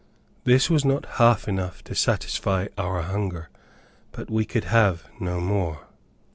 This was not half enough to satisfy our hunger; but we could have no more.